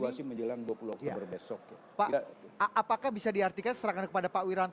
apakah bisa diartikan serangan kepada pak wiranto ini juga serangan kepada presiden